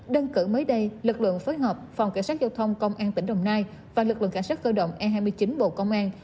đơn cử mới đây lực lượng phối hợp phòng cảnh sát giao thông công an tỉnh đồng nai và lực lượng cảnh sát cơ động e hai mươi chín bộ công an